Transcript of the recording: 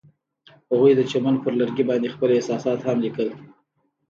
هغوی د چمن پر لرګي باندې خپل احساسات هم لیکل.